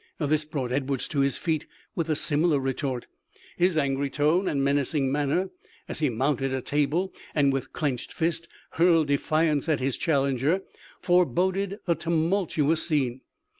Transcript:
This brought Edwards to his feet with a similar retort. His angry tone and menacing manner, as he mounted a table and with clenched fist hurled defiance at his challenger, foreboded a tumultuous scene.